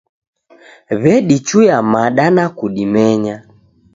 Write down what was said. W'edichuya mada na kudimenya.